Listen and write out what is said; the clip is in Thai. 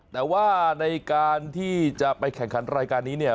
แต่ว่าในการที่จะไปแข่งขันรายการนี้เนี่ย